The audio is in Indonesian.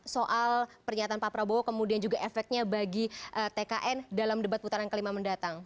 soal pernyataan pak prabowo kemudian juga efeknya bagi tkn dalam debat putaran kelima mendatang